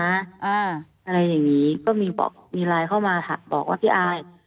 อะไรอย่างนี้ก็มีบอกมีไลน์เข้ามาบอกว่าพี่อาย